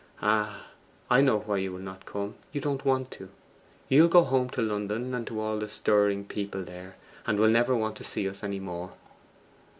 'Ah, I know why you will not come. You don't want to. You'll go home to London and to all the stirring people there, and will never want to see us any more!